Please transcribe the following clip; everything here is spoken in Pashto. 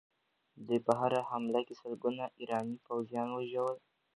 دوی په هره حمله کې سلګونه ایراني پوځیان وژل.